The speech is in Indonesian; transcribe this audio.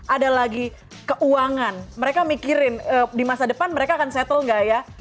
ada lagi keuangan mereka mikirin di masa depan mereka akan settle nggak ya